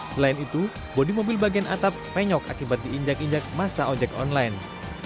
selain itu bodi mobil bagian atap penyok akibat diinjak injak masa ojek online